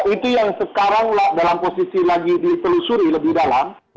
itu yang sekarang dalam posisi lagi ditelusuri lebih dalam